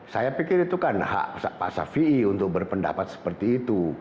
saya pikir itu kan hak pak syafiee untuk berpendapat seperti itu